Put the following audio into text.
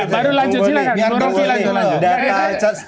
baru lanjut silahkan